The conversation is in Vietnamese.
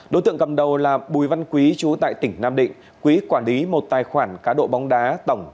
đối tượng cầm đầu là bùi văn quý chú tại tỉnh nam định quỹ quản lý một tài khoản cá độ bóng đá tổng